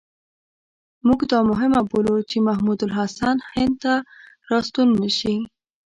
موږ دا مهمه بولو چې محمود الحسن هند ته را ستون نه شي.